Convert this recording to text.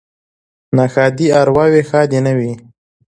ـ ناښادې ارواوې ښادې نه وي.